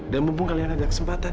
dan mumpung kalian ada kesempatan